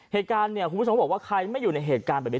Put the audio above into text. เหตุการณ์เนี่ยคุณผู้ชมเขาบอกว่าใครไม่อยู่ในเหตุการณ์แบบนี้